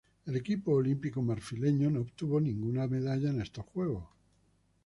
El equipo olímpico marfileño no obtuvo ninguna medalla en estos Juegos.